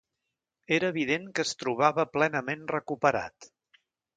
Era evident que es trobava plenament recuperat.